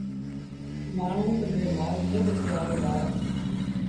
مآڻهوٚٚݩ پنڊري مآل کي با پيٚآريندآ